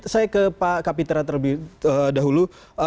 saya ke pak kapitra terlebih dahulu